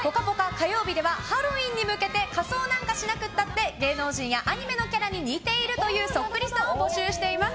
火曜日ではハロウィーンに向けて仮装なんかしなくたって芸能人やアニメのキャラに似ているというそっくりさんを募集しています。